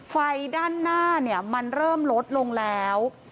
ไฟด้านหน้ามันเริ่มลดลงแล้ว